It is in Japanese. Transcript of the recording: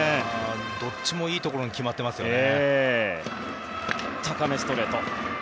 どっちもいいところに決まってますよね。